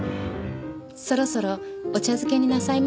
そろそろお茶漬けになさいます？